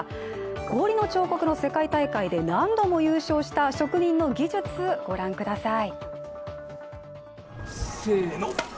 氷の彫刻の世界大会で何度も優勝した職人の技術、ご覧ください。